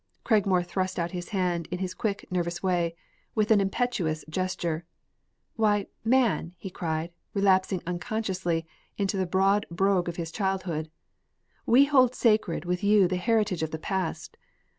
Cragmore thrust out his hand, in his quick, nervous way, with an impetuous gesture. "Why, man!" he cried, relapsing unconsciously into the broad brogue of his childhood, "we hold sacred with you the heritage of your past.